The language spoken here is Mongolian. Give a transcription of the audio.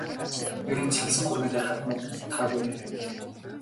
Ер нь салсан хүргэндээ хадмууд нь таагүй байдаг билээ.